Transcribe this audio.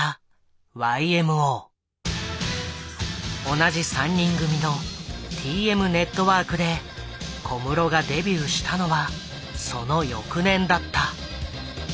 同じ３人組のＴＭＮＥＴＷＯＲＫで小室がデビューしたのはその翌年だった。